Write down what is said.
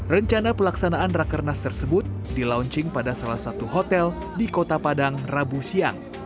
rencana pelaksanaan rakernas tersebut di launching pada salah satu hotel di kota padang rabu siang